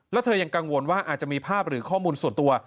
แล้วเธอยังกังวลว่าอาจจะมีภาพหรือข้อมูลส่วนตัว